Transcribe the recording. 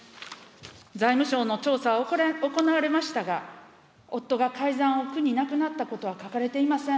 財務省の調査は行われましたが、夫が改ざんを苦に亡くなったことは書かれていません。